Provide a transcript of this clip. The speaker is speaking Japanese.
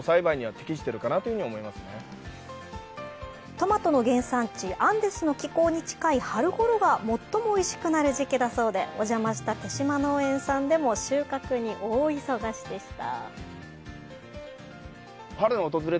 トマトの原産地、アンデスの気候に近い春ごろが最もおいしくなる時期でお邪魔した手島農園さんでも収穫に大忙しでした。